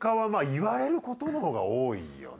言われることのほうが多いよね。